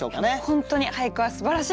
本当に俳句はすばらしいです！